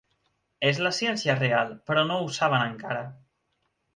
És la ciència real, però no ho saben encara.